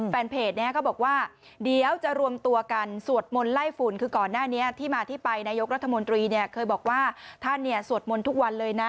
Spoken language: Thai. แฟนเพจเนี่ยก็บอกว่าเดี๋ยวจะรวมตัวกันสวดมนต์ไล่ฝุ่นคือก่อนหน้านี้ที่มาที่ไปนายกรัฐมนตรีเนี่ยเคยบอกว่าท่านเนี่ยสวดมนต์ทุกวันเลยนะ